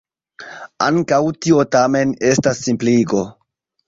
Ankaŭ tio tamen estas simpligo.